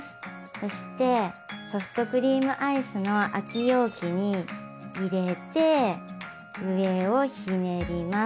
そしてソフトクリームアイスの空き容器に入れて上をひねります。